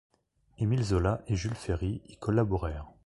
Émile Zola et Jules Ferry y collaborèrent.